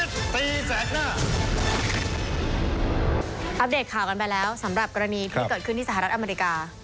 อัปเดตข่าวกันไปแล้วสำหรับกรณีที่เกิดขึ้นที่สหรัฐอเมริกา